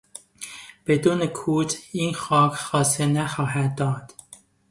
بدون کود این خاک حاصل نخواهد داد.